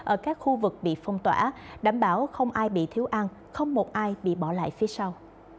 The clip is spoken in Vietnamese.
ở các khu vực bị phong tỏa đảm bảo không ai bị thiếu ăn không một ai bị bỏ lại phía sau